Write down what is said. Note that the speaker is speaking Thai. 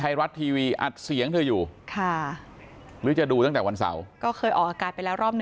หรือจะดูตั้งแต่วันเสาร์